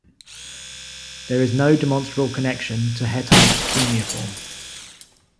There is no demonstrable connection to Hittite cuneiform.